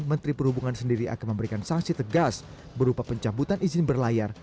menteri perhubungan sendiri akan memberikan sanksi tegas berupa pencabutan izin berlayar